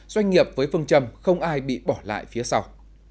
doanh nghiệp với phương trầm không ai bị bỏ lại phía sau